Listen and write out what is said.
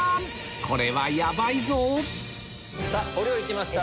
これはヤバいぞお料理きました